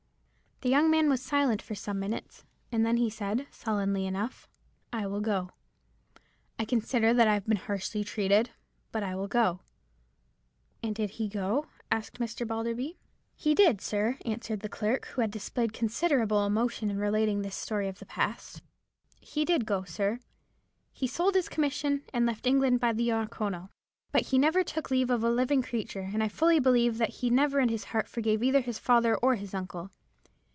"The young man was silent for some minutes, then he said, sullenly enough— "'I will go. I consider that I have been harshly treated; but I will go.'" "And he did go?" said Mr. Balderby. "He did, sir," answered the clerk, who had displayed considerable emotion in relating this story of the past. "He did go, sir,—he sold his commission, and left England by the Oronoko. But he never took leave of a living creature, and I fully believe that he never in his heart forgave either his father or his uncle.